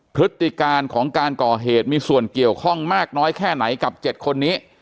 พฤติการของการก่อเหตุมีส่วนเกี่ยวข้องมากน้อยแค่ไหนกับ๗คนนี้